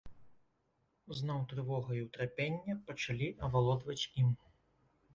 Зноў трывога і ўтрапенне пачалі авалодваць ім.